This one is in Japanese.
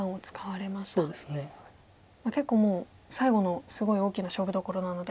結構もう最後のすごい大きな勝負どころなので。